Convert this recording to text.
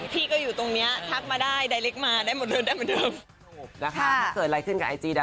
พี่แจ๊กจะบอกว่าเป็นเหตุผล